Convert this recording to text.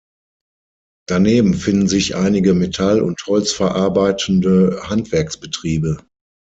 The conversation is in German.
Daneben finden sich einige metall- und holzverarbeitende Handwerksbetriebe.